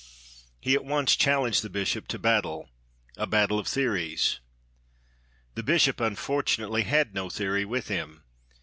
He at once challenged the Bishop to battle a battle of theories. The Bishop unfortunately had no theory with him.